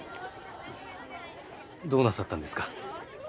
どうなさったんですか？